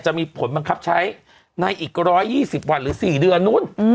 จะมีผลบังคับใช้ในอีก๑๒๐วันหรือ๔เดือนนู้น